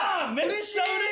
うれしい！